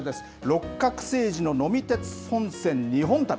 六角精児の呑み鉄本線・日本旅。